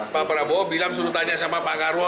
pak prabowo bilang suruh tanya sama pak karwo